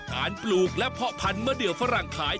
การปลูกและพหัวพันเมื่อเดือบฝรั่งขาย